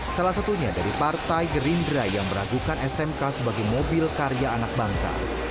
salah satunya dari partai gerindra yang meragukan smk sebagai mobil karya anak bangsa